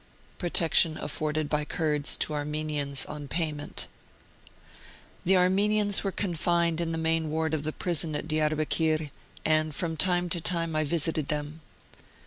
PROTECTION AFFORDED BY KURDS TO ARMENIANS ON PAYMENT. The Armenians were confined in the main ward of the prison at Diarbekir, and from time to time I visited them.